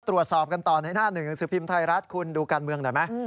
ตรวจสอบกันต่อในหน้าหนึ่งหนังสือพิมพ์ไทยรัฐคุณดูการเมืองหน่อยไหม